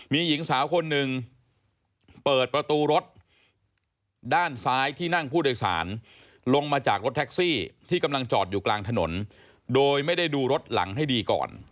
มีหญิงสาวคนหนึ่งเปิดประตูรถด้านซ้ายที่นั่งผู้โดยสารลงมาจากรถแท็กซี่ที่กำลังจอดอยู่กลางถนนโดยไม่ได้ดูรถหลังให้ดีก่อน